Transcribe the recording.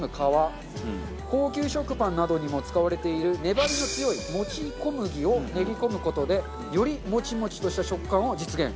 高級食パンなどにも使われている粘りの強いもち小麦を練り込む事でよりもちもちとした食感を実現。